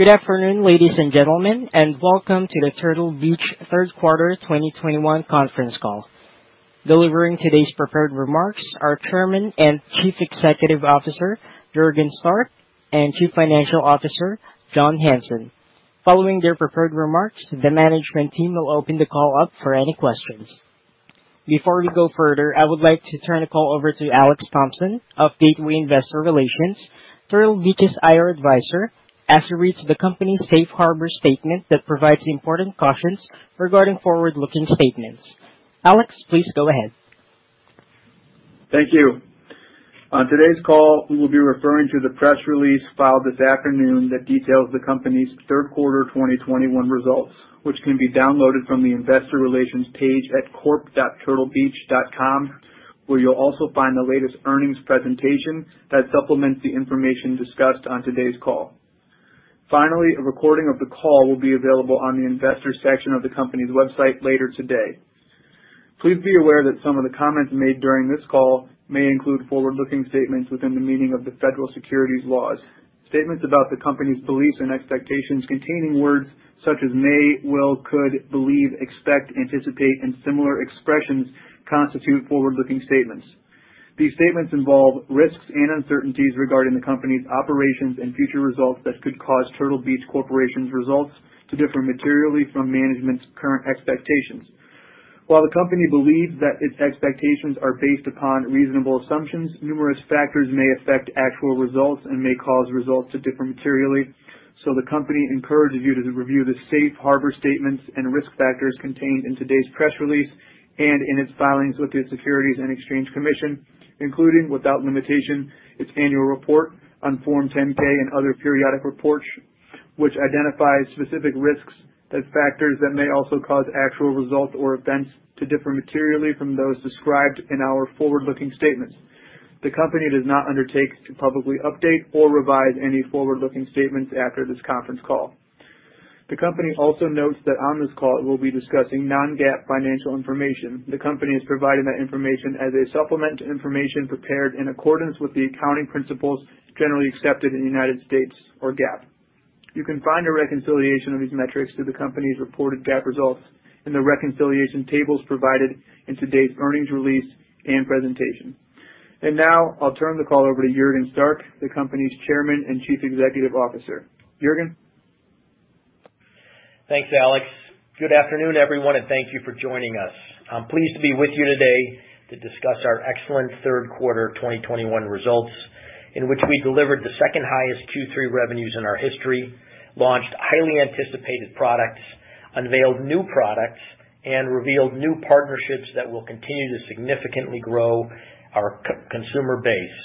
Good afternoon, ladies and gentlemen, and Welcome to the Turtle Beach Q3 2021 Conference Call. Delivering today's prepared remarks are Chairman and Chief Executive Officer Juergen Stark, and Chief Financial Officer John Hanson. Following their prepared remarks, the management team will open the call up for any questions. Before we go further, I would like to turn the call over to Alex Thompson of Gateway Investor Relations, Turtle Beach's IR advisor, as he reads the company's safe harbor statement that provides important cautions regarding forward-looking statements. Alex, please go ahead. Thank you. On today's call, we will be referring to the press release filed this afternoon that details the company's Q3 2021 Results, which can be downloaded from the investor relations page at corp.turtlebeach.com, where you'll also find the latest earnings presentation that supplements the information discussed on today's call. Finally, a recording of the call will be available on the investors section of the company's website later today. Please be aware that some of the comments made during this call may include forward-looking statements within the meaning of the federal securities laws. Statements about the company's beliefs and expectations containing words such as may, will, could, believe, expect, anticipate, and similar expressions constitute forward-looking statements. These statements involve risks and uncertainties regarding the company's operations and future results that could cause Turtle Beach Corporation's results to differ materially from management's current expectations. While the company believes that its expectations are based upon reasonable assumptions, numerous factors may affect actual results and may cause results to differ materially. The company encourages you to review the safe harbor statements and risk factors contained in today's press release and in its filings with the Securities and Exchange Commission, including, without limitation, its annual report on Form 10-K and other periodic reports, which identify specific risks as factors that may also cause actual results or events to differ materially from those described in our forward-looking statements. The company does not undertake to publicly update or revise any forward-looking statements after this conference call. The company also notes that on this call, we'll be discussing non-GAAP financial information. The company is providing that information as a supplement to information prepared in accordance with the accounting principles generally accepted in the United States or GAAP. You can find a reconciliation of these metrics to the company's reported GAAP results in the reconciliation tables provided in today's earnings release and presentation. Now I'll turn the call over to Juergen Stark, the company's Chairman and Chief Executive Officer. Juergen. Thanks, Alex. Good afternoon, everyone, and thank you for joining us. I'm pleased to be with you today to discuss our excellent Q3 2021 results, in which we delivered the second highest Q3 revenues in our history, launched highly anticipated products, unveiled new products, and revealed new partnerships that will continue to significantly grow our consumer base.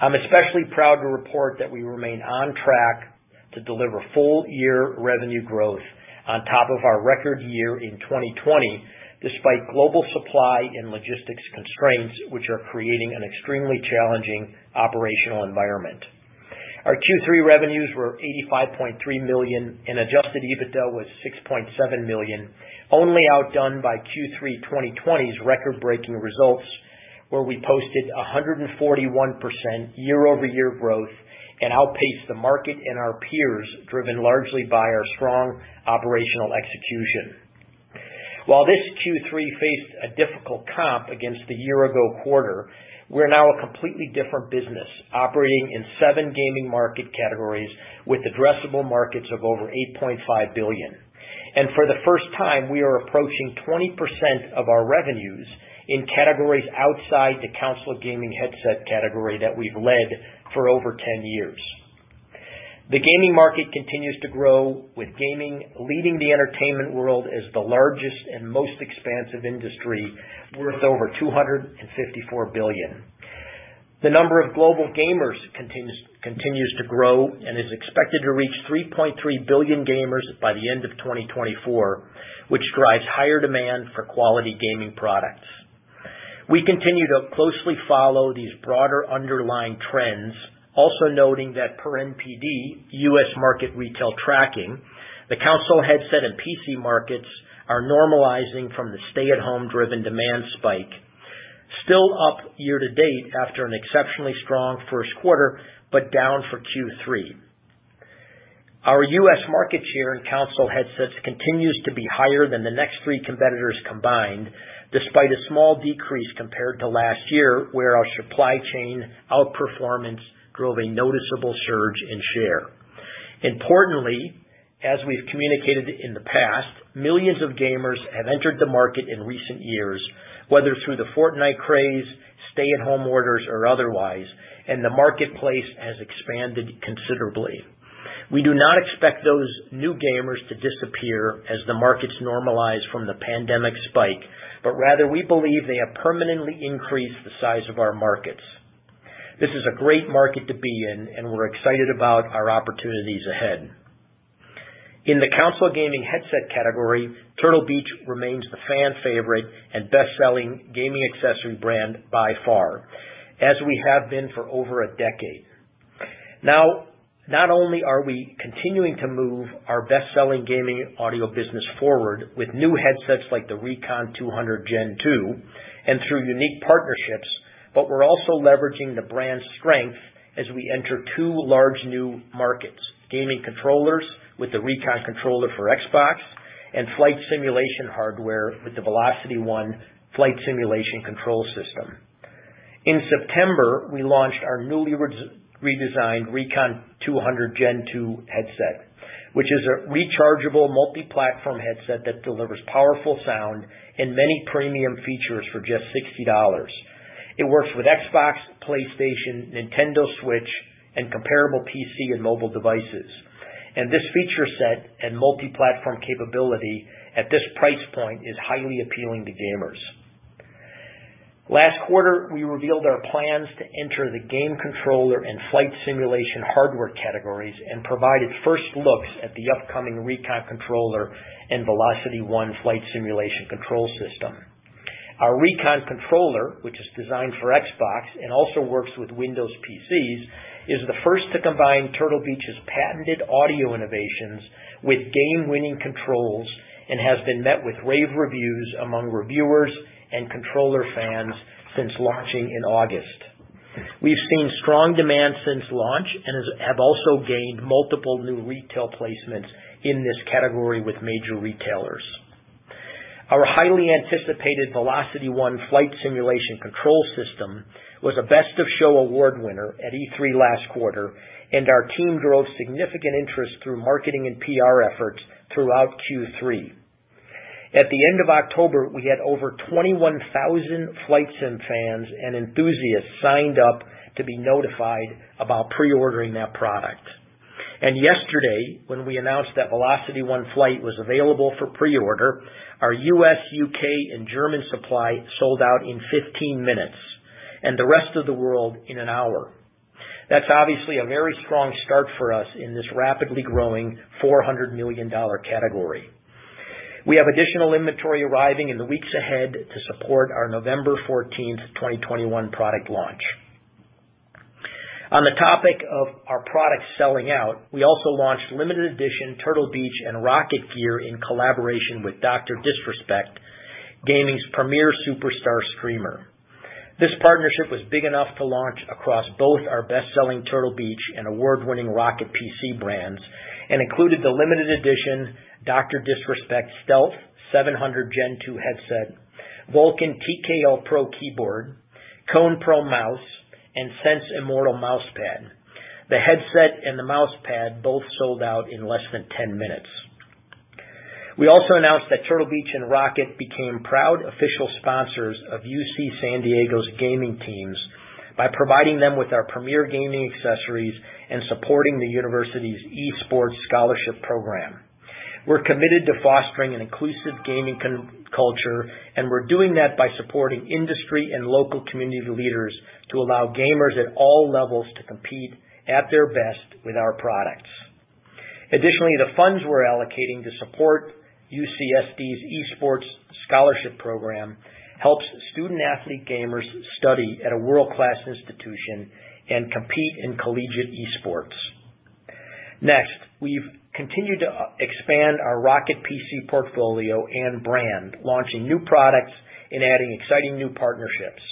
I'm especially proud to report that we remain on track to deliver full-year revenue growth on top of our record year in 2020, despite global supply and logistics constraints, which are creating an extremely challenging operational environment. Our Q3 revenues were $85.3 million and adjusted EBITDA was $6.7 million, only outdone by Q3 2020's record-breaking results, where we posted 141% year-over-year growth and outpaced the market and our peers, driven largely by our strong operational execution. While this Q3 faced a difficult comp against the year ago quarter, we're now a completely different business, operating in 7 gaming market categories with addressable markets of over $8.5 billion. For the first time, we are approaching 20% of our revenues in categories outside the console gaming headset category that we've led for over 10 years. The gaming market continues to grow, with gaming leading the entertainment world as the largest and most expansive industry, worth over $254 billion. The number of global gamers continues to grow and is expected to reach 3.3 billion gamers by the end of 2024, which drives higher demand for quality gaming products. We continue to closely follow these broader underlying trends, also noting that per NPD U.S. market retail tracking, the console headset and PC markets are normalizing from the stay-at-home driven demand spike. Still up year to date after an exceptionally strong Q1, but down for Q3. Our U.S. market share in console headsets continues to be higher than the next three competitors combined, despite a small decrease compared to last year, where our supply chain outperformance drove a noticeable surge in share. Importantly, as we've communicated in the past, millions of gamers have entered the market in recent years, whether through the Fortnite craze, stay-at-home orders or otherwise, and the marketplace has expanded considerably. We do not expect those new gamers to disappear as the markets normalize from the pandemic spike, but rather we believe they have permanently increased the size of our markets. This is a great market to be in, and we're excited about our opportunities ahead. In the console gaming headset category, Turtle Beach remains the fan favorite and best-selling gaming accessory brand by far, as we have been for over a decade. Now, not only are we continuing to move our best-selling gaming audio business forward with new headsets like the Recon 200 Gen 2 and through unique partnerships, but we're also leveraging the brand's strength as we enter two large new markets, gaming controllers with the Recon Controller for Xbox and flight simulation hardware with the VelocityOne Flight simulation control system. In September, we launched our newly redesigned Recon 200 Gen 2 headset, which is a rechargeable multi-platform headset that delivers powerful sound and many premium features for just $60. It works with Xbox, PlayStation, Nintendo Switch, and comparable PC and mobile devices. This feature set and multi-platform capability at this price point is highly appealing to gamers. Last quarter, we revealed our plans to enter the game controller and flight simulation hardware categories and provided first looks at the upcoming Recon Controller and VelocityOne Flight. Our Recon Controller, which is designed for Xbox and also works with Windows PCs, is the first to combine Turtle Beach's patented audio innovations with game-winning controls and has been met with rave reviews among reviewers and controller fans since launching in August. We've seen strong demand since launch and have also gained multiple new retail placements in this category with major retailers. Our highly anticipated VelocityOne Flight was a Best of Show Award winner at E3 last quarter, and our team drove significant interest through marketing and PR efforts throughout Q3. At the end of October, we had over 21,000 flight sim fans and enthusiasts signed up to be notified about pre-ordering that product. Yesterday, when we announced that VelocityOne Flight was available for pre-order, our U.S., U.K., and German supply sold out in 15 minutes, and the rest of the world in 1 hour. That's obviously a very strong start for us in this rapidly growing $400 million category. We have additional inventory arriving in the weeks ahead to support our November 14, 2021 product launch. On the topic of our products selling out, we also launched limited edition Turtle Beach and ROCCAT gear in collaboration with Dr. Disrespect, gaming's premier superstar streamer. This partnership was big enough to launch across both our best-selling Turtle Beach and award-winning ROCCAT PC brands and included the limited edition Dr. Disrespect Stealth 700 Gen 2 headset, Vulcan TKL Pro keyboard, Kone Pro mouse, and Sense Immortal mouse pad. The headset and the mouse pad both sold out in less than 10 minutes. We also announced that Turtle Beach and ROCCAT became proud official sponsors of UC San Diego's gaming teams by providing them with our premier gaming accessories and supporting the university's esports scholarship program. We're committed to fostering an inclusive gaming culture, and we're doing that by supporting industry and local community leaders to allow gamers at all levels to compete at their best with our products. Additionally, the funds we're allocating to support UCSD's esports scholarship program helps student-athlete gamers study at a world-class institution and compete in collegiate esports. Next, we've continued to expand our ROCCAT PC portfolio and brand, launching new products and adding exciting new partnerships.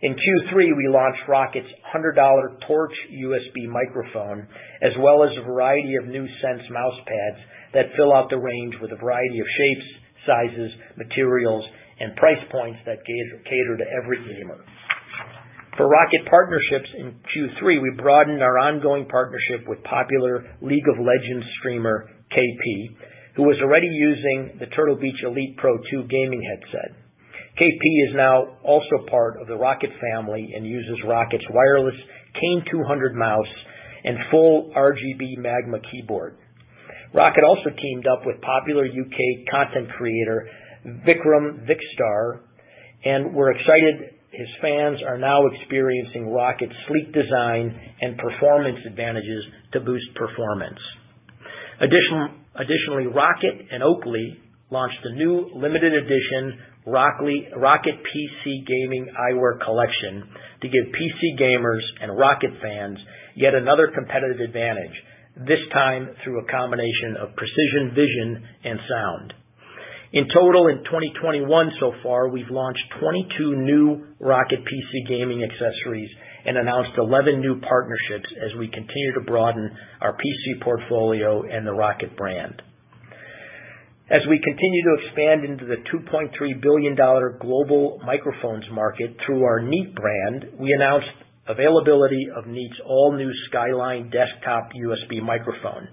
In Q3, we launched ROCCAT's $100 Torch USB microphone, as well as a variety of new Sense mouse pads that fill out the range with a variety of shapes, sizes, materials, and price points that cater to every gamer. For ROCCAT partnerships in Q3, we broadened our ongoing partnership with popular League of Legends streamer, KP, who was already using the Turtle Beach Elite Pro 2 gaming headset. KP is now also part of the ROCCAT family and uses ROCCAT's wireless Kain 200 mouse and full RGB Magma keyboard. ROCCAT also teamed up with popular U.K. content creator Vikkstar, and we're excited his fans are now experiencing ROCCAT's sleek design and performance advantages to boost performance. Additionally, ROCCAT and Oakley launched a new limited edition ROCCAT PC gaming eyewear collection to give PC gamers and ROCCAT fans yet another competitive advantage, this time through a combination of precision vision and sound. In total, in 2021 so far, we've launched 22 new ROCCAT PC gaming accessories and announced 11 new partnerships as we continue to broaden our PC portfolio and the ROCCAT brand. As we continue to expand into the $2.3 billion global microphones market through our Neat brand, we announced availability of Neat's all-new Skyline desktop USB microphone.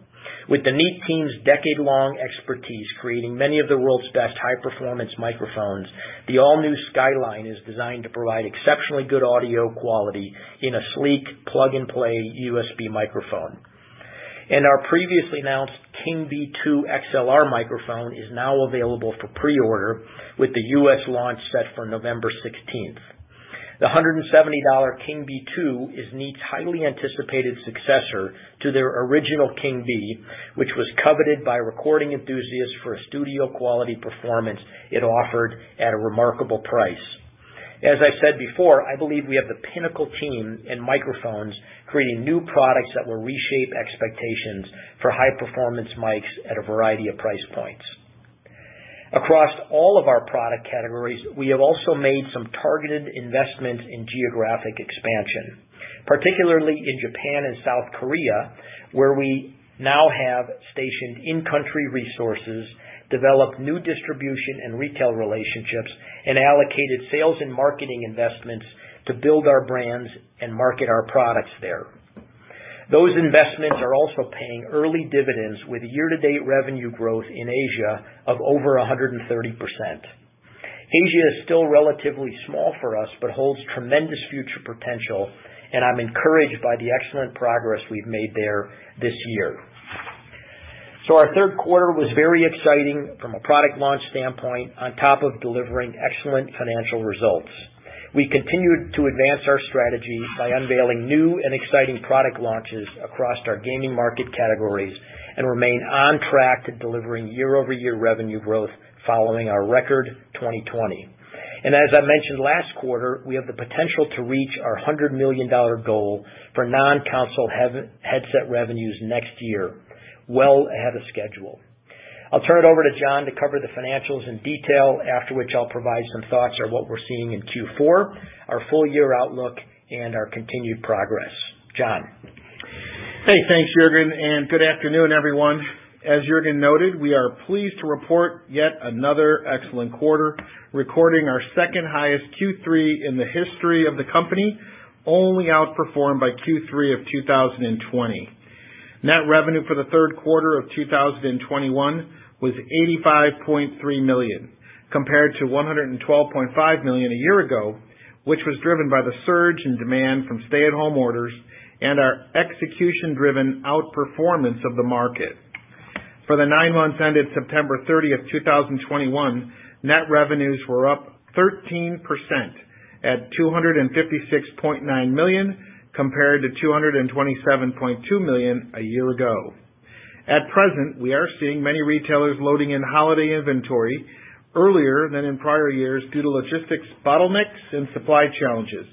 With the Neat team's decade-long expertise creating many of the world's best high-performance microphones, the all-new Skyline is designed to provide exceptionally good audio quality in a sleek plug-and-play USB microphone. Our previously announced King Bee II XLR microphone is now available for pre-order, with the U.S. launch set for November 16. The $170 King Bee II is Neat's highly anticipated successor to their original King Bee, which was coveted by recording enthusiasts for a studio-quality performance it offered at a remarkable price. As I said before, I believe we have the pinnacle team in microphones creating new products that will reshape expectations for high-performance mics at a variety of price points. Across all of our product categories, we have also made some targeted investments in geographic expansion, particularly in Japan and South Korea, where we now have stationed in-country resources, developed new distribution and retail relationships, and allocated sales and marketing investments to build our brands and market our products there. Those investments are also paying early dividends, with year-to-date revenue growth in Asia of over 130%. Asia is still relatively small for us, but holds tremendous future potential, and I'm encouraged by the excellent progress we've made there this year. Our Q3 was very exciting from a product launch standpoint, on top of delivering excellent financial results. We continued to advance our strategy by unveiling new and exciting product launches across our gaming market categories and remain on track to delivering year-over-year revenue growth following our record 2020. As I mentioned last quarter, we have the potential to reach our $100 million goal for non-console headset revenues next year, well ahead of schedule. I'll turn it over to John to cover the financials in detail, after which I'll provide some thoughts on what we're seeing in Q4, our full year outlook, and our continued progress. John? Hey, thanks, Juergen, and good afternoon, everyone. As Juergen noted, we are pleased to report yet another excellent quarter, recording our second-highest Q3 in the history of the company, only outperformed by Q3 of 2020. Net revenue for the Q3 of 2021 was $85.3 million, compared to $112.5 million a year ago, which was driven by the surge in demand from stay-at-home orders and our execution-driven outperformance of the market. For the nine months ended September 30th, 2021, net revenues were up 13% at $256.9 million, compared to $227.2 million a year ago. At present, we are seeing many retailers loading in holiday inventory earlier than in prior years due to logistics bottlenecks and supply challenges,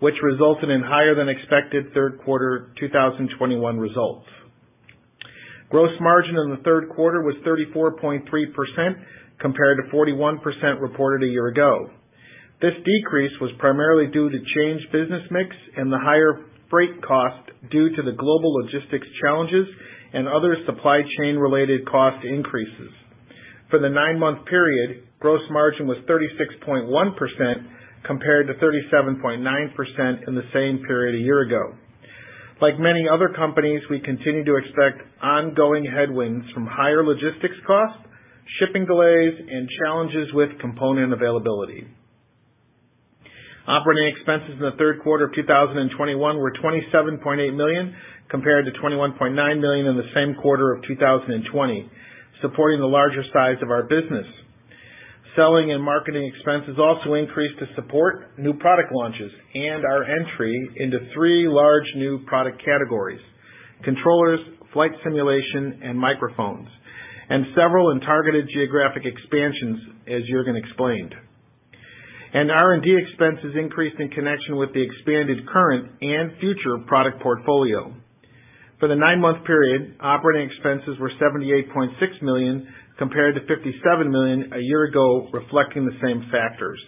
which resulted in higher than expected Q3 2021 results. Gross margin in the Q3 was 34.3%, compared to 41% reported a year ago. This decrease was primarily due to changed business mix and the higher freight cost due to the global logistics challenges and other supply chain-related cost increases. For the nine-month period, gross margin was 36.1% compared to 37.9% in the same period a year ago. Like many other companies, we continue to expect ongoing headwinds from higher logistics costs, shipping delays, and challenges with component availability. Operating expenses in the Q3 of 2021 were $27.8 million, compared to $21.9 million in the same quarter of 2020, supporting the larger size of our business. Selling and marketing expenses also increased to support new product launches and our entry into three large new product categories, controllers, flight simulation, and microphones, and several in targeted geographic expansions, as Juergen explained. R&D expenses increased in connection with the expanded current and future product portfolio. For the nine-month period, operating expenses were $78.6 million compared to $57 million a year ago, reflecting the same factors.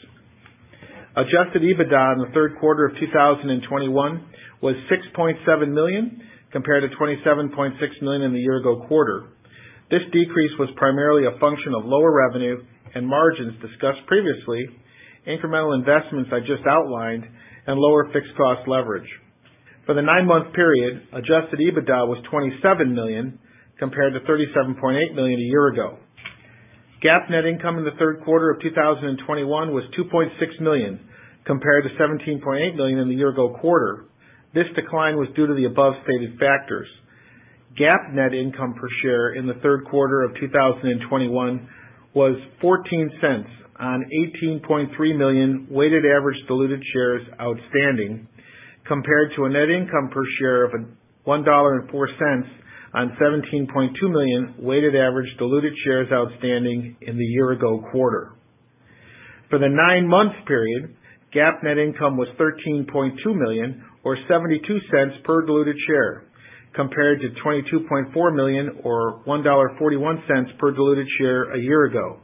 Adjusted EBITDA in the Q3 of 2021 was $6.7 million, compared to $27.6 million in the year ago quarter. This decrease was primarily a function of lower revenue and margins discussed previously, incremental investments I just outlined, and lower fixed cost leverage. For the nine-month period, adjusted EBITDA was $27 million, compared to $37.8 million a year ago. GAAP net income in the Q3 of 2021 was $2.6 million, compared to $17.8 million in the year-ago quarter. This decline was due to the above-stated factors. GAAP net income per share in the Q3 of 2021 was $0.14 on 18.3 million weighted average diluted shares outstanding, compared to a net income per share of $1.04 on 17.2 million weighted average diluted shares outstanding in the year-ago quarter. For the nine-month period, GAAP net income was $13.2 million or $0.72 per diluted share, compared to $22.4 million or $1.41 per diluted share a year ago.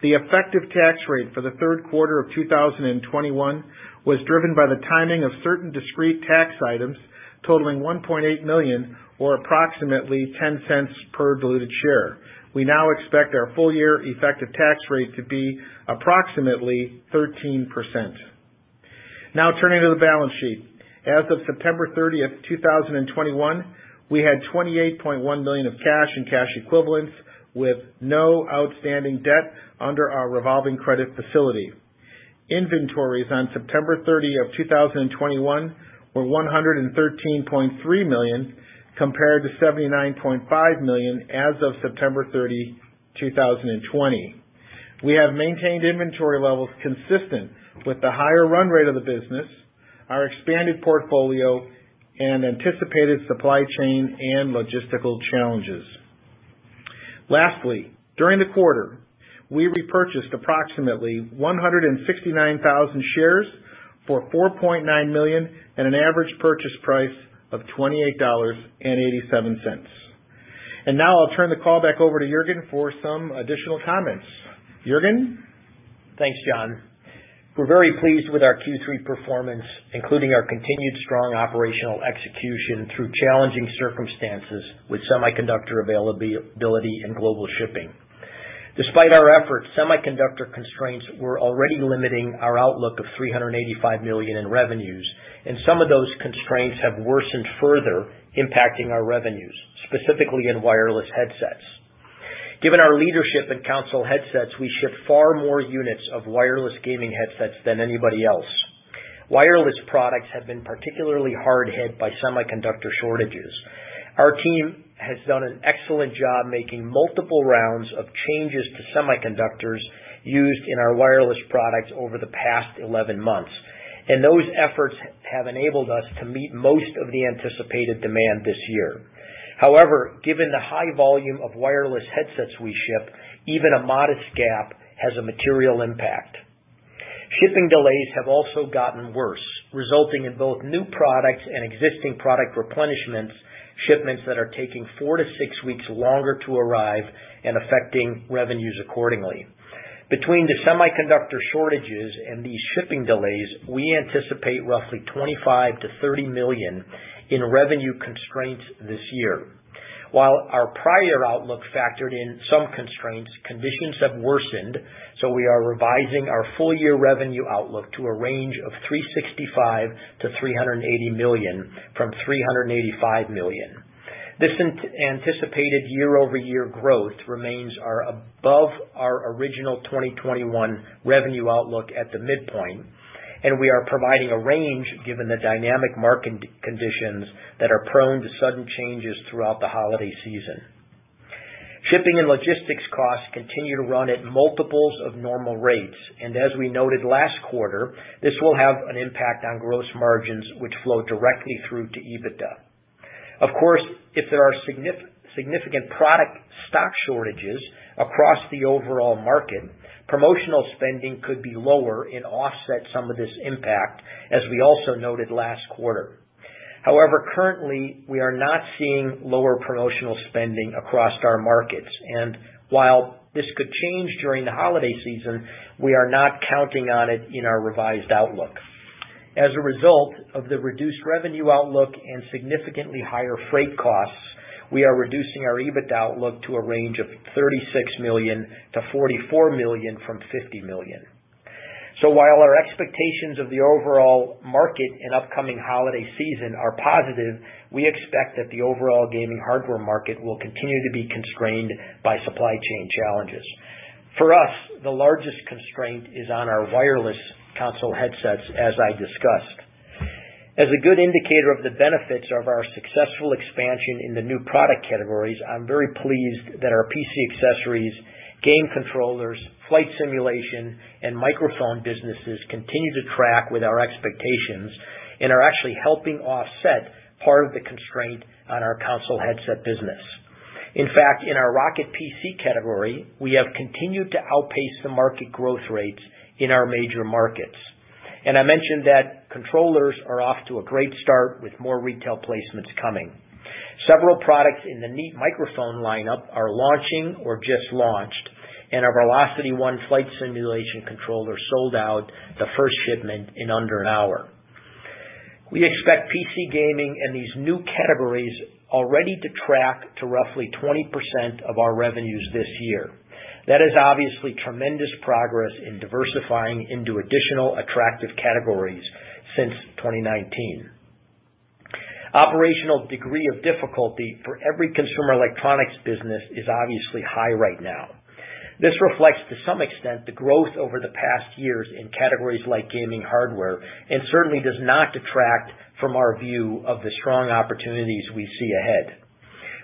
The effective tax rate for the Q3 of 2021 was driven by the timing of certain discrete tax items totaling $1.8 million or approximately $0.10 per diluted share. We now expect our full year effective tax rate to be approximately 13%. Now turning to the balance sheet. As of September 30th, 2021, we had $28.1 million of cash and cash equivalents with no outstanding debt under our revolving credit facility. Inventories on September 30, 2021 were $113.3 million, compared to $79.5 million as of September 30, 2020. We have maintained inventory levels consistent with the higher run rate of the business, our expanded portfolio, and anticipated supply chain and logistical challenges. Lastly, during the quarter, we repurchased approximately 169,000 shares for $4.9 million and an average purchase price of $28.87. Now I'll turn the call back over to Juergen for some additional comments. Juergen? Thanks, John. We're very pleased with our Q3 performance, including our continued strong operational execution through challenging circumstances with semiconductor availability and global shipping. Despite our efforts, semiconductor constraints were already limiting our outlook of $385 million in revenues, and some of those constraints have worsened further, impacting our revenues, specifically in wireless headsets. Given our leadership in console headsets, we ship far more units of wireless gaming headsets than anybody else. Wireless products have been particularly hard hit by semiconductor shortages. Our team has done an excellent job making multiple rounds of changes to semiconductors used in our wireless products over the past 11 months, and those efforts have enabled us to meet most of the anticipated demand this year. However, given the high volume of wireless headsets we ship, even a modest gap has a material impact. Shipping delays have also gotten worse, resulting in both new products and existing product replenishment shipments that are taking 4-6 weeks longer to arrive and affecting revenues accordingly. Between the semiconductor shortages and these shipping delays, we anticipate roughly $25 million-$30 million in revenue constraints this year. While our prior outlook factored in some constraints, conditions have worsened, so we are revising our full-year revenue outlook to a range of $365 million-$380 million from $385 million. This unanticipated year-over-year growth remains above our original 2021 revenue outlook at the midpoint, and we are providing a range given the dynamic market conditions that are prone to sudden changes throughout the holiday season. Shipping and logistics costs continue to run at multiples of normal rates. As we noted last quarter, this will have an impact on gross margins which flow directly through to EBITDA. Of course, if there are significant product stock shortages across the overall market, promotional spending could be lower and offset some of this impact, as we also noted last quarter. However, currently, we are not seeing lower promotional spending across our markets. While this could change during the holiday season, we are not counting on it in our revised outlook. As a result of the reduced revenue outlook and significantly higher freight costs, we are reducing our EBITDA outlook to a range of $36 million-$44 million from $50 million. While our expectations of the overall market and upcoming holiday season are positive, we expect that the overall gaming hardware market will continue to be constrained by supply chain challenges. For us, the largest constraint is on our wireless console headsets, as I discussed. As a good indicator of the benefits of our successful expansion in the new product categories, I'm very pleased that our PC accessories, game controllers, flight simulation, and microphone businesses continue to track with our expectations and are actually helping offset part of the constraint on our console headset business. In fact, in our ROCCAT PC category, we have continued to outpace the market growth rates in our major markets. I mentioned that controllers are off to a great start with more retail placements coming. Several products in the Neat microphone lineup are launching or just launched, and our VelocityOne flight simulation controller sold out the first shipment in under an hour. We expect PC gaming and these new categories already to track to roughly 20% of our revenues this year. That is obviously tremendous progress in diversifying into additional attractive categories since 2019. Operational degree of difficulty for every consumer electronics business is obviously high right now. This reflects, to some extent, the growth over the past years in categories like gaming hardware, and certainly does not detract from our view of the strong opportunities we see ahead.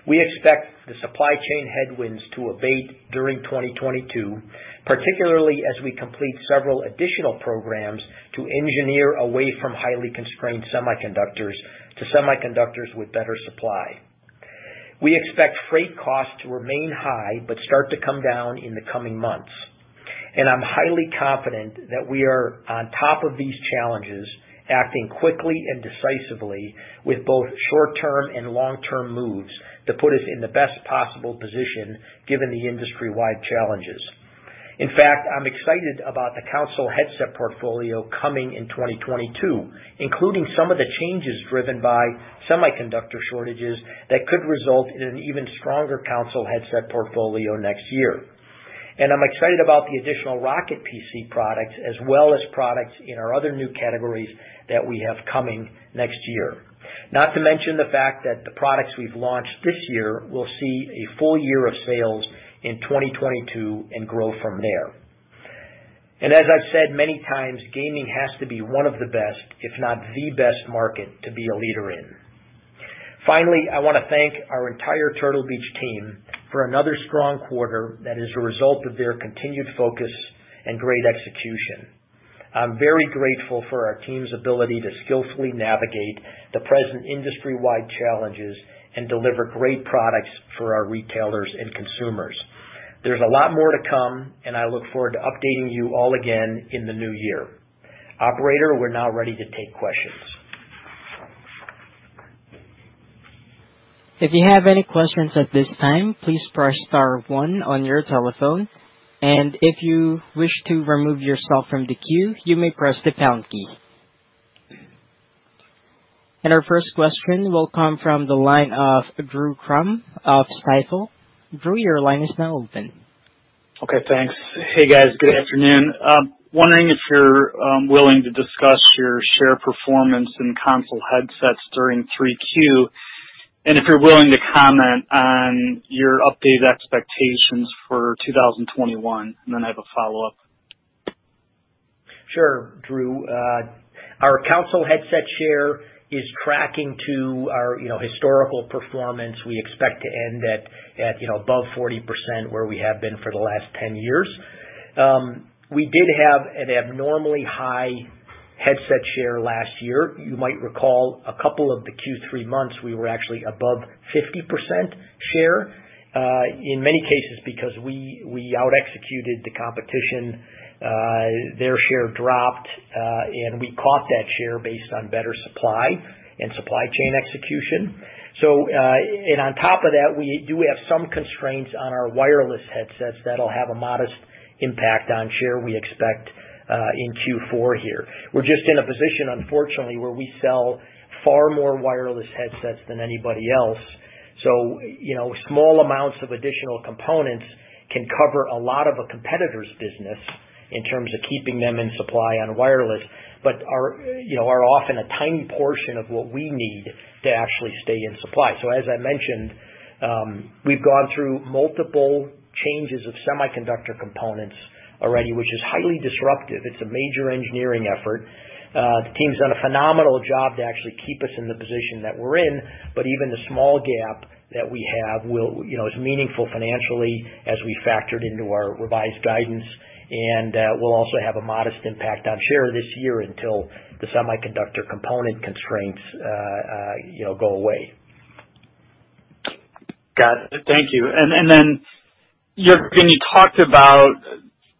We expect the supply chain headwinds to abate during 2022, particularly as we complete several additional programs to engineer away from highly constrained semiconductors to semiconductors with better supply. We expect freight costs to remain high, but start to come down in the coming months. I'm highly confident that we are on top of these challenges, acting quickly and decisively with both short-term and long-term moves to put us in the best possible position given the industry-wide challenges. In fact, I'm excited about the console headset portfolio coming in 2022, including some of the changes driven by semiconductor shortages that could result in an even stronger console headset portfolio next year. I'm excited about the additional ROCCAT PC products as well as products in our other new categories that we have coming next year. Not to mention the fact that the products we've launched this year will see a full year of sales in 2022 and grow from there. As I've said many times, gaming has to be one of the best, if not the best market to be a leader in. Finally, I wanna thank our entire Turtle Beach team for another strong quarter that is a result of their continued focus and great execution. I'm very grateful for our team's ability to skillfully navigate the present industry-wide challenges and deliver great products for our retailers and consumers. There's a lot more to come, and I look forward to updating you all again in the new year. Operator, we're now ready to take questions. If you have any questions at this time, please press star one on your telephone. If you wish to remove yourself from the queue, you may press the pound key. Our first question will come from the line of Drew Crum of Stifel. Drew, your line is now open. Okay, thanks. Hey, guys. Good afternoon. Wondering if you're willing to discuss your share performance and console headsets during Q3, and if you're willing to comment on your updated expectations for 2021, and then I have a follow-up. Sure, Drew. Our console headset share is tracking to our, you know, historical performance. We expect to end at, you know, above 40% where we have been for the last 10 years. We did have an abnormally high headset share last year. You might recall a couple of the Q3 months we were actually above 50% share in many cases because we out executed the competition, their share dropped, and we caught that share based on better supply and supply chain execution. And on top of that, we do have some constraints on our wireless headsets that'll have a modest impact on share, we expect, in Q4 here. We're just in a position, unfortunately, where we sell far more wireless headsets than anybody else. You know, small amounts of additional components can cover a lot of a competitor's business in terms of keeping them in supply on wireless, but are often a tiny portion of what we need to actually stay in supply. As I mentioned, we've gone through multiple changes of semiconductor components already, which is highly disruptive. It's a major engineering effort. The team's done a phenomenal job to actually keep us in the position that we're in, but even the small gap that we have will, you know, is meaningful financially as we factored into our revised guidance. We'll also have a modest impact on share this year until the semiconductor component constraints, you know, go away. Got it. Thank you. Then, Juergen, you talked about,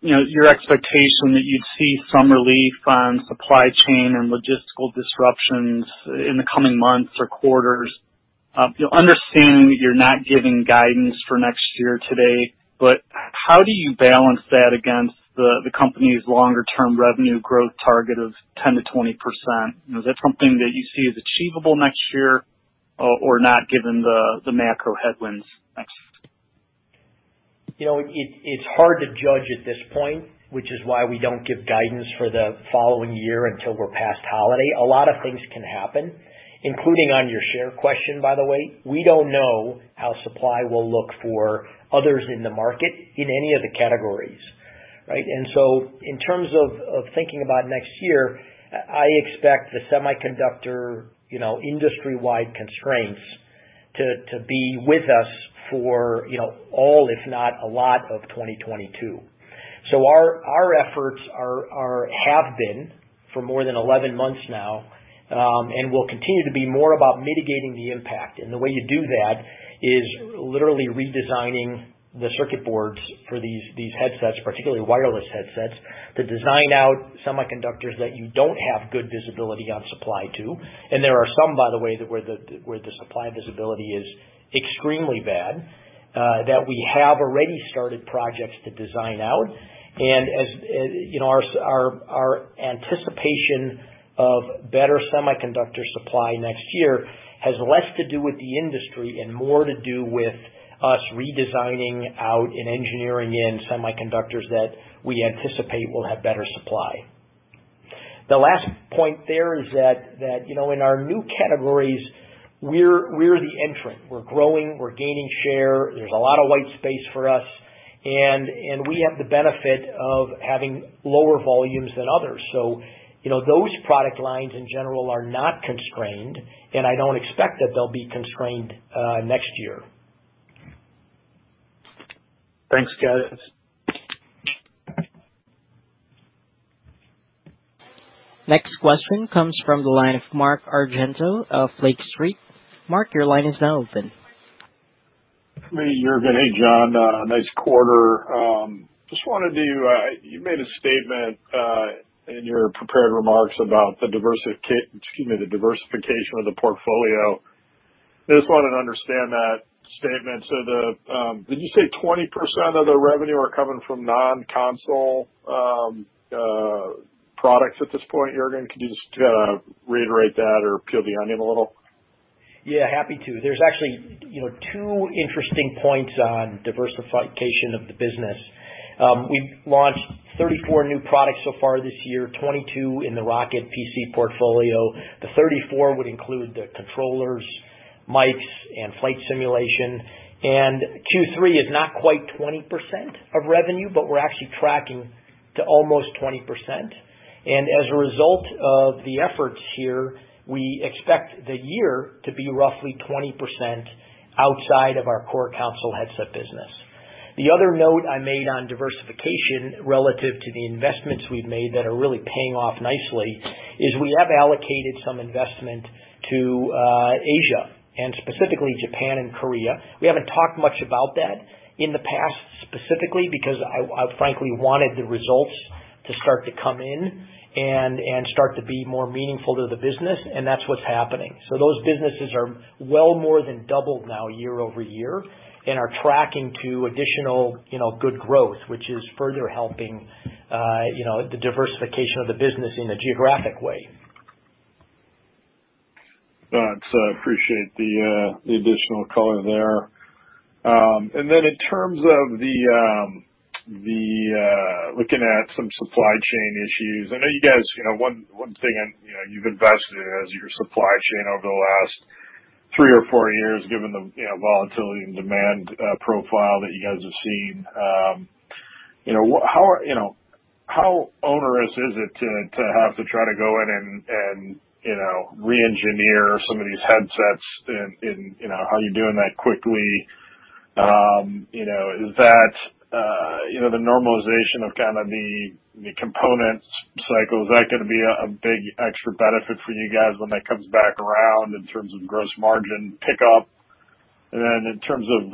you know, your expectation that you'd see some relief on supply chain and logistical disruptions in the coming months or quarters. You know, understanding that you're not giving guidance for next year today, but how do you balance that against the company's longer term revenue growth target of 10%-20%? You know, is that something that you see is achievable next year or not given the macro headwinds? Thanks. You know, it's hard to judge at this point, which is why we don't give guidance for the following year until we're past holiday. A lot of things can happen, including on your share question, by the way. We don't know how supply will look for others in the market in any of the categories, right? In terms of thinking about next year, I expect the semiconductor industry-wide constraints to be with us for all, if not a lot of 2022. Our efforts have been for more than 11 months now and will continue to be more about mitigating the impact. The way you do that is literally redesigning the circuit boards for these headsets, particularly wireless headsets, to design out semiconductors that you don't have good visibility on supply to. There are some, by the way, where the supply visibility is extremely bad that we have already started projects to design out. As you know, our anticipation of better semiconductor supply next year has less to do with the industry and more to do with us redesigning out and engineering in semiconductors that we anticipate will have better supply. The last point there is that you know, in our new categories, we're the entrant. We're growing, we're gaining share. There's a lot of white space for us, and we have the benefit of having lower volumes than others. You know, those product lines in general are not constrained, and I don't expect that they'll be constrained next year. Thanks, guys. Next question comes from the line of Mark Argento of Lake Street. Mark, your line is now open. Juergen, hey, John. Nice quarter. Just wanted to, you made a statement in your prepared remarks about the diversification of the portfolio. I just wanted to understand that statement. So the, did you say 20% of the revenue are coming from non-console products at this point, Juergen? Could you just reiterate that or peel the onion a little? Yeah, happy to. There's actually, you know, two interesting points on diversification of the business. We've launched 34 new products so far this year, 22 in the ROCCAT PC portfolio. The 34 would include the controllers, mics, and flight simulation. Q3 is not quite 20% of revenue, but we're actually tracking to almost 20%. As a result of the efforts here, we expect the year to be roughly 20% outside of our core console headset business. The other note I made on diversification relative to the investments we've made that are really paying off nicely is we have allocated some investment to Asia and specifically Japan and Korea. We haven't talked much about that in the past specifically because I frankly wanted the results to start to come in and start to be more meaningful to the business, and that's what's happening. Those businesses are well more than double now year-over-year and are tracking to additional, you know, good growth, which is further helping, you know, the diversification of the business in a geographic way. Gotcha. I appreciate the additional color there. Then in terms of looking at some supply chain issues, I know you guys. You know, one thing I know you've invested in is your supply chain over the last three or four years, given the you know volatility and demand profile that you guys have seen. You know, how onerous is it to have to try to go in and you know re-engineer some of these headsets in you know how you're doing that quickly? You know, is that you know the normalization of kind of the component cycle, is that gonna be a big extra benefit for you guys when that comes back around in terms of gross margin pickup? Then in terms of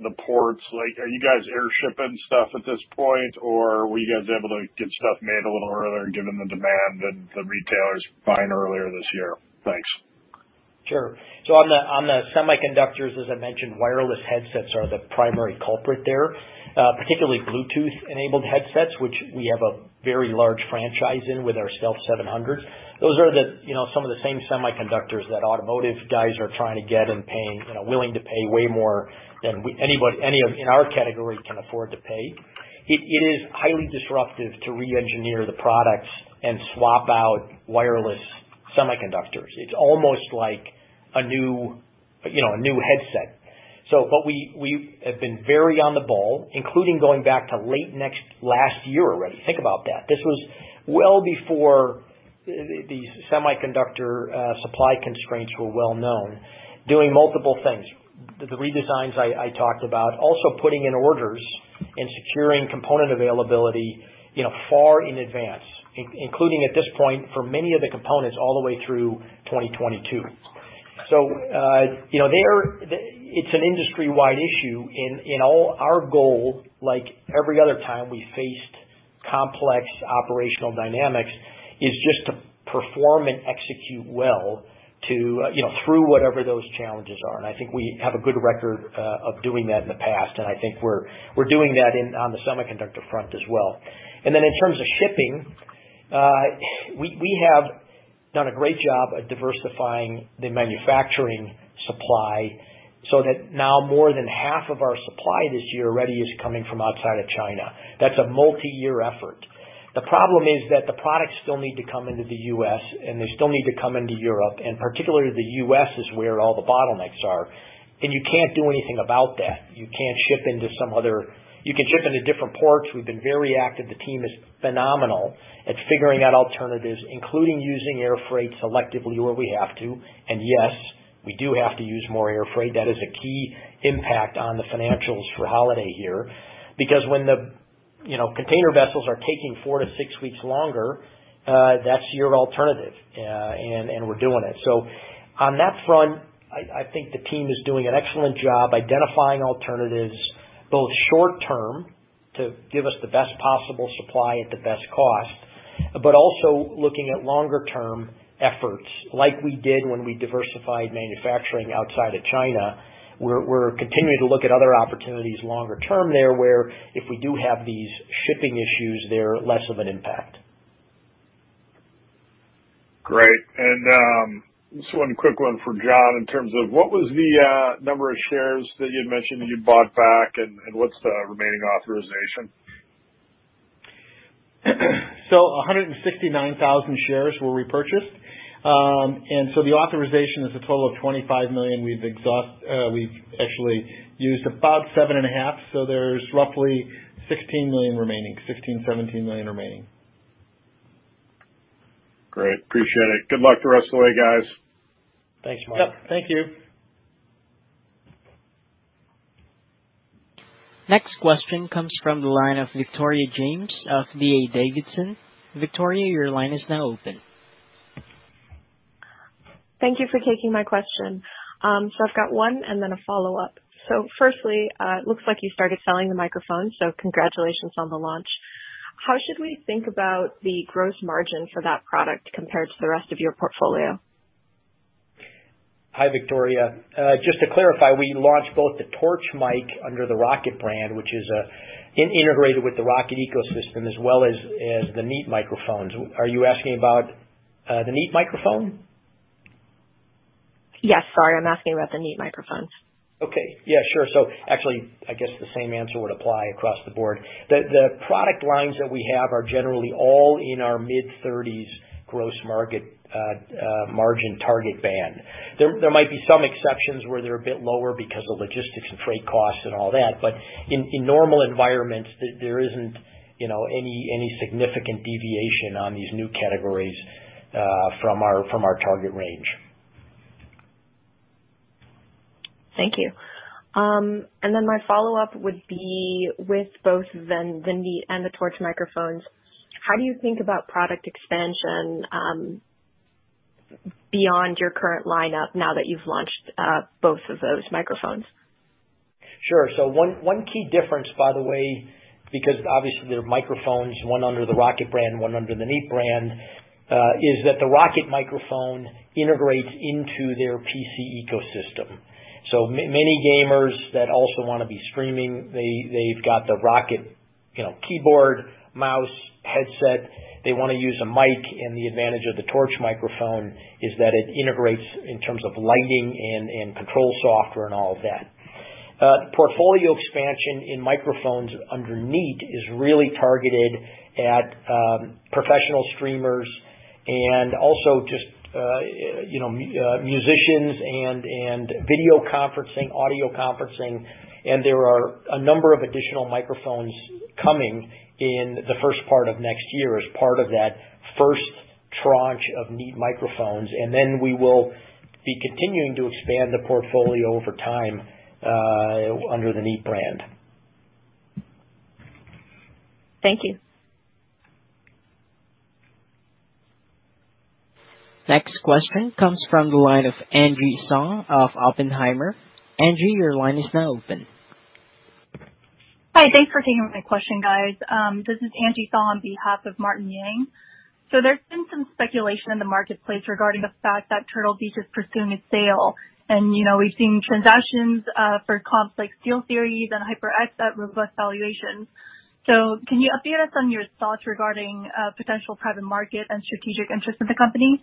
the ports, like, are you guys air shipping stuff at this point, or were you guys able to get stuff made a little earlier given the demand that the retailers buying earlier this year? Thanks. Sure. On the semiconductors, as I mentioned, wireless headsets are the primary culprit there, particularly Bluetooth-enabled headsets, which we have a very large franchise in with our Stealth 700. Those are you know some of the same semiconductors that automotive guys are trying to get and paying you know willing to pay way more than anybody in our category can afford to pay. It is highly disruptive to re-engineer the products and swap out wireless semiconductors. It's almost like a new you know headset. We have been very on the ball, including going back to late last year already. Think about that. This was well before the semiconductor supply constraints were well known, doing multiple things. The redesigns I talked about, also putting in orders and securing component availability, you know, far in advance, including at this point, for many of the components all the way through 2022. You know, they are. It's an industry-wide issue. In all, our goal, like every other time we faced complex operational dynamics, is just to perform and execute well, you know, through whatever those challenges are. I think we have a good record of doing that in the past, and I think we're doing that, and on the semiconductor front as well. Then in terms of shipping, we have done a great job at diversifying the manufacturing supply so that now more than half of our supply this year already is coming from outside of China. That's a multiyear effort. The problem is that the products still need to come into the U.S., and they still need to come into Europe, and particularly the U.S. is where all the bottlenecks are. You can't do anything about that. You can ship into different ports. We've been very active. The team is phenomenal at figuring out alternatives, including using air freight selectively where we have to, and yes, we do have to use more air freight. That is a key impact on the financials for holiday here. Because when the you know container vessels are taking 4-6 weeks longer, that's your alternative. We're doing it. On that front, I think the team is doing an excellent job identifying alternatives, both short term to give us the best possible supply at the best cost, but also looking at longer term efforts like we did when we diversified manufacturing outside of China. We're continuing to look at other opportunities longer term there, where if we do have these shipping issues, they're less of an impact. Great. Just one quick one for John in terms of what was the number of shares that you'd mentioned that you'd bought back and what's the remaining authorization? 169,000 shares were repurchased. The authorization is a total of 25 million. We've actually used about 7.5, so there's roughly 16 million remaining. 16-17 million remaining. Great. Appreciate it. Good luck the rest of the way, guys. Thanks, Mark. Yep. Thank you. Next question comes from the line of Victoria James of D.A. Davidson. Victoria, your line is now open. Thank you for taking my question. I've got one and then a follow-up. Firstly, it looks like you started selling the microphone, so congratulations on the launch. How should we think about the gross margin for that product compared to the rest of your portfolio? Hi, Victoria. Just to clarify, we launched both the Torch mic under the ROCCAT brand, which is integrated with the ROCCAT ecosystem as well as the Neat microphones. Are you asking about the Neat microphone? Yes. Sorry. I'm asking about the Neat Microphones. Okay. Yeah, sure. Actually, I guess the same answer would apply across the board. The product lines that we have are generally all in our mid-thirties gross margin target band. There might be some exceptions where they're a bit lower because of logistics and freight costs and all that, but in normal environments, there isn't, you know, any significant deviation on these new categories from our target range. Thank you. My follow-up would be with both the Neat and the Torch microphones. How do you think about product expansion beyond your current lineup now that you've launched both of those microphones? Sure. One key difference, by the way, because obviously they're microphones, one under the ROCCAT brand, one under the Neat brand, is that the ROCCAT microphone integrates into their PC ecosystem. Many gamers that also wanna be streaming, they've got the ROCCAT, you know, keyboard, mouse, headset. They wanna use a mic, and the advantage of the Torch microphone is that it integrates in terms of lighting and control software and all of that. Portfolio expansion in microphones under Neat is really targeted at professional streamers and also just you know musicians and video conferencing, audio conferencing. There are a number of additional microphones coming in the first part of next year as part of that first tranche of Neat microphones. Then we will be continuing to expand the portfolio over time under the Neat brand. Thank you. Next question comes from the line of Angie Pham of Oppenheimer. Angie, your line is now open. Hi, thanks for taking my question, guys. This is Angie Pham on behalf of Martin Yang. There's been some speculation in the marketplace regarding the fact that Turtle Beach is pursuing a sale. You know, we've seen transactions for Corsair and SteelSeries and HyperX asset acquisition valuations. Can you update us on your thoughts regarding potential private market and strategic interest of the company?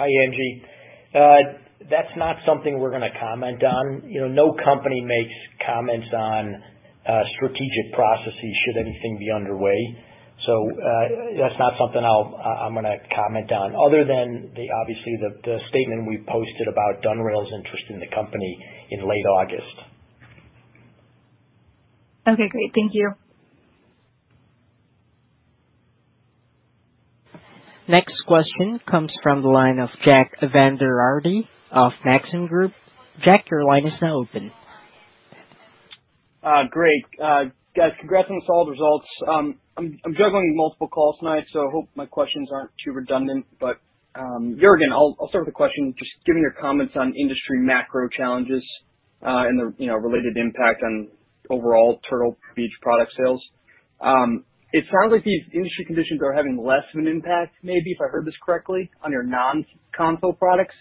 Hi, Angie. That's not something we're gonna comment on. You know, no company makes comments on strategic processes should anything be underway. That's not something I'm gonna comment on other than obviously the statement we posted about Donerail interest in the company in late August. Okay, great. Thank you. Next question comes from the line of Jack Vander Aarde of Maxim Group. Jack, your line is now open. Great. Guys, congrats on the solid results. I'm juggling multiple calls tonight, so I hope my questions aren't too redundant. Juergen, I'll start with a question. Just given your comments on industry macro challenges, and the you know related impact on overall Turtle Beach product sales, it sounds like these industry conditions are having less of an impact maybe, if I heard this correctly, on your non-console products.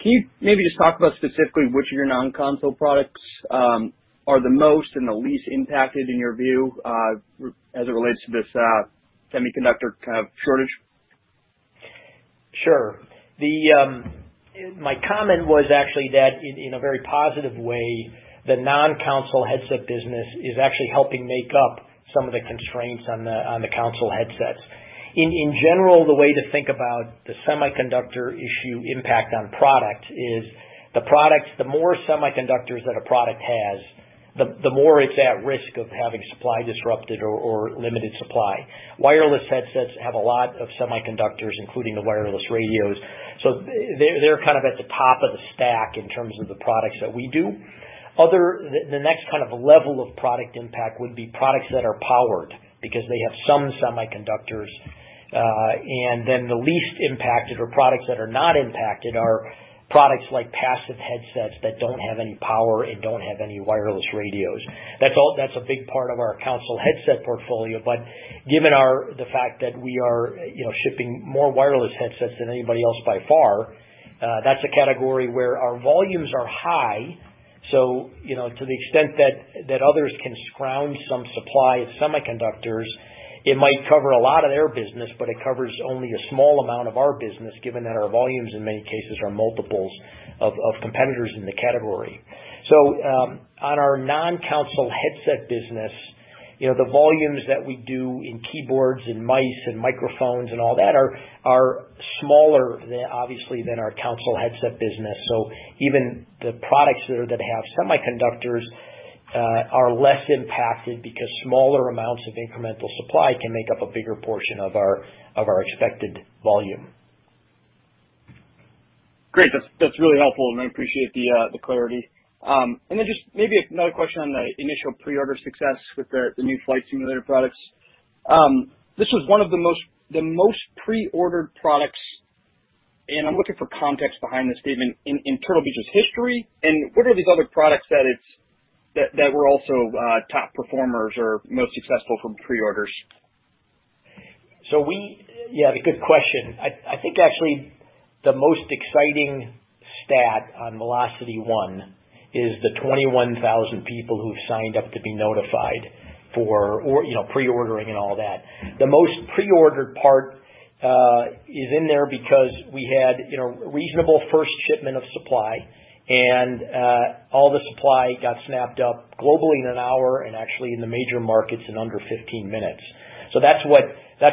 Can you maybe just talk about specifically which of your non-console products are the most and the least impacted in your view, as it relates to this semiconductor kind of shortage? My comment was actually that in a very positive way, the non-console headset business is actually helping make up some of the constraints on the console headsets. In general, the way to think about the semiconductor issue impact on product is the products, the more semiconductors that a product has, the more it's at risk of having supply disrupted or limited supply. Wireless headsets have a lot of semiconductors, including the wireless radios, so they're kind of at the top of the stack in terms of the products that we do. The next kind of level of product impact would be products that are powered because they have some semiconductors. Then the least impacted or products that are not impacted are products like passive headsets that don't have any power and don't have any wireless radios. That's all. That's a big part of our console headset portfolio. Given the fact that we are, you know, shipping more wireless headsets than anybody else by far, that's a category where our volumes are high. To the extent that others can scrounge some supply of semiconductors, it might cover a lot of their business, but it covers only a small amount of our business, given that our volumes in many cases are multiples of competitors in the category. On our non-console headset business, you know, the volumes that we do in keyboards and mice and microphones and all that are smaller than obviously our console headset business. Even the products that have semiconductors are less impacted because smaller amounts of incremental supply can make up a bigger portion of our expected volume. Great. That's really helpful, and I appreciate the clarity. Just maybe another question on the initial pre-order success with the new Flight Simulator products. This was one of the most pre-ordered products, and I'm looking for context behind this statement in Turtle Beach's history. What are these other products that were also top performers or most successful from pre-orders? That's a good question. I think actually the most exciting stat on VelocityOne is the 21,000 people who've signed up to be notified for or, you know, pre-ordering and all that. The most pre-ordered product is in there because we had, you know, reasonable first shipment of supply and all the supply got snapped up globally in an hour and actually in the major markets in under 15 minutes. That's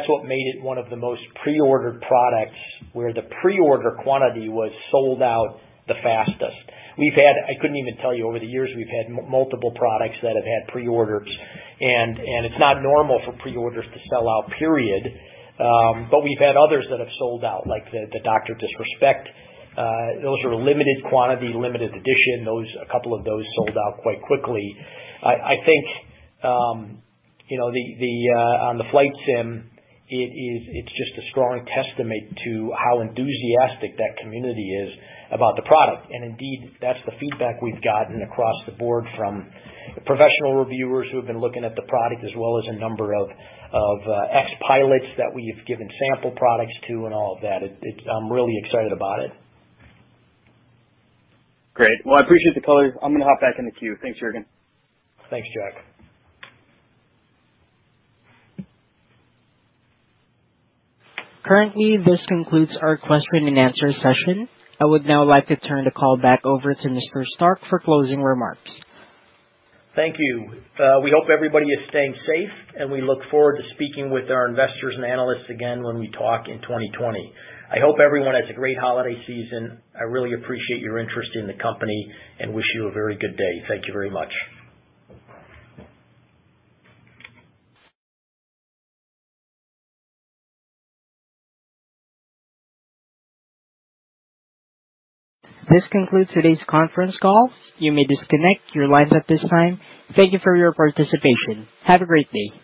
what made it one of the most pre-ordered products where the pre-order quantity was sold out the fastest. I couldn't even tell you over the years, we've had multiple products that have had pre-orders and it's not normal for pre-orders to sell out, period. But we've had others that have sold out, like the Dr. Disrespect. Those are limited quantity, limited edition. Those, a couple of those sold out quite quickly. I think, you know, on the flight sim it's just a strong testament to how enthusiastic that community is about the product. Indeed, that's the feedback we've gotten across the board from professional reviewers who have been looking at the product as well as a number of ex-pilots that we've given sample products to and all of that. I'm really excited about it. Great. Well, I appreciate the color. I'm gonna hop back in the queue. Thanks, Juergen. Thanks, Jack. Currently, this concludes our question and answer session. I would now like to turn the call back over to Mr. Stark for closing remarks. Thank you. We hope everybody is staying safe, and we look forward to speaking with our investors and analysts again when we talk in 2020. I hope everyone has a great holiday season. I really appreciate your interest in the company and wish you a very good day. Thank you very much. This concludes today's Conference Call. You may disconnect your lines at this time. Thank you for your participation. Have a great day.